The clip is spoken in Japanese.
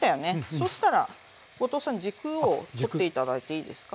そしたら後藤さん軸を取って頂いていいですか？